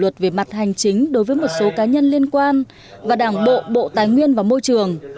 liên quan đến kỷ luật về mặt hành chính đối với một số cá nhân liên quan và đảng bộ bộ tài nguyên và môi trường